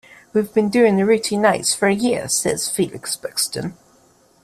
We've been doing the Rooty nights for a year,' says Felix Buxton.